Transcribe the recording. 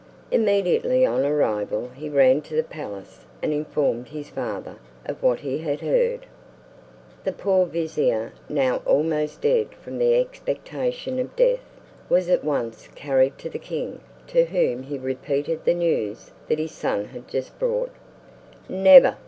Immediately on arrival he ran to the palace and informed his father of what he had heard. The poor vizier, now almost dead from the expectation of death, was at once carried to the king, to whom he repeated the news that his son had just brought. "Never!"